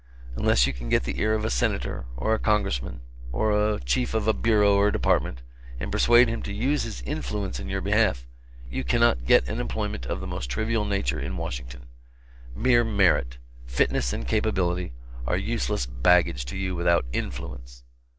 Unless you can get the ear of a Senator, or a Congressman, or a Chief of a Bureau or Department, and persuade him to use his "influence" in your behalf, you cannot get an employment of the most trivial nature in Washington. Mere merit, fitness and capability, are useless baggage to you without "influence."